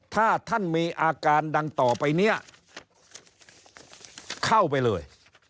ถ้าท่านมีอาการดังต่อไปเนี่ยเข้าไปเลย